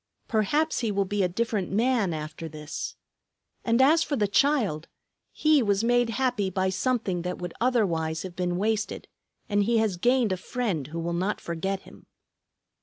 Perhaps he will be a different man after this. And as for the child; he was made happy by something that would otherwise have been wasted, and he has gained a friend who will not forget him.